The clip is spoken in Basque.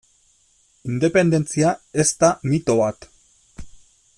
Independentzia ez da mito bat.